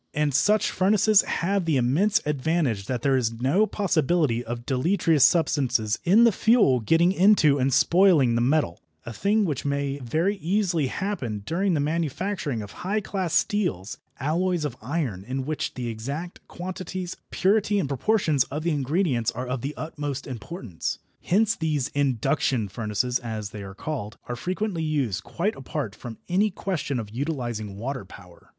And such furnaces have the immense advantage that there is no possibility of deleterious substances in the fuel getting into and spoiling the metal, a thing which may very easily happen during the manufacture of high class steels, alloys of iron in which the exact quantities, purity and proportions of the ingredients are of the utmost importance. Hence these "induction furnaces," as they are called, are frequently used quite apart from any question of utilising water power.